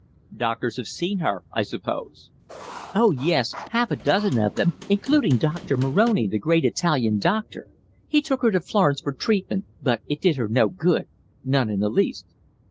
"Doctors have seen her, I suppose?" "Oh, yes, half a dozen of them including Doctor Moroni, the great Italian doctor. He took her to Florence for treatment, but it did her no good none in the least."